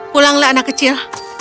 pulanglah anak kecil